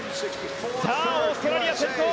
オーストラリア、先頭。